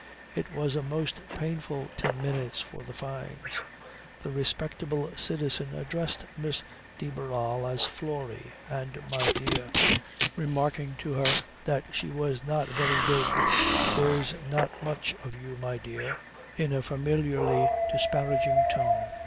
It was a most painful ten minutes for the Fynes. The respectable citizen addressed Miss de Barral as "Florrie" and "my dear," remarking to her that she was not very big "there's not much of you my dear" in a familiarly disparaging tone.